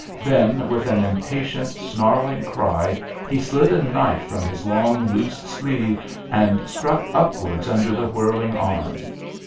Then with an impatient, snarling cry he slid a knife from his long loose sleeve and struck upwards under the whirling arm.